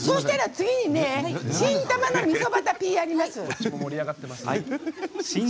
次に「新たまのみそバタピ」をやります。